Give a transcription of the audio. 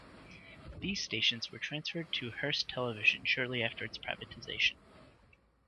These stations were transferred to Hearst Television shortly after its privatization.